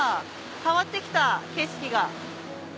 変わってきた景色が。